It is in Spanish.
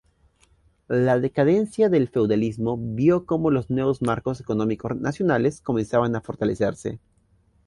La decadencia del feudalismo vio cómo los nuevos marcos económicos nacionales comenzaban a fortalecerse.